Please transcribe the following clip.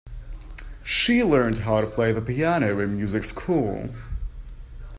She learned how to play the piano in music school.